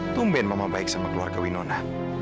tumben mama baik sama keluarga winona